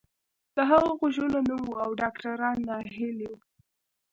د هغه غوږونه نه وو او ډاکتران ناهيلي وو.